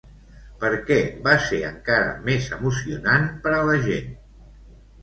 Per què va ser encara més emocionant per a la gent?